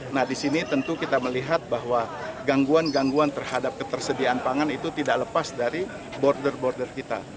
nah di sini tentu kita melihat bahwa gangguan gangguan terhadap ketersediaan pangan itu tidak lepas dari border border kita